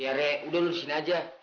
ya rey udah lu disini aja